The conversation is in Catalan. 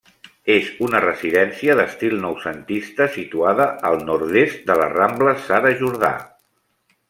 És una residència d'estil noucentista situada al Nord-est de la Rambla Sara Jordà.